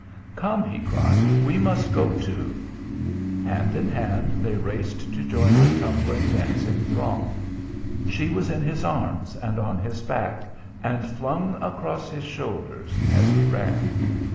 "Come!" he cried. "We must go too." Hand in hand they raced to join the tumbling, dancing throng. She was in his arms and on his back and flung across his shoulders, as he ran.